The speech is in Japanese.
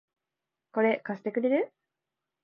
これ、貸してくれる？